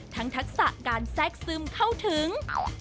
ทั้งทักษะการแซ่กซึมเข้าถึง